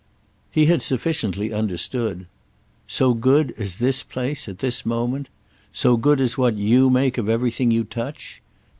He had sufficiently understood. "So good as this place at this moment? So good as what you make of everything you touch?"